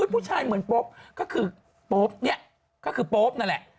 ผู้ชายเหมือนโป๊ปก็คือโป๊ปเนี่ยก็คือโป๊ปนั่นแหละ